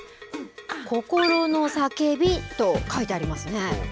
心の叫びと書いてありますね。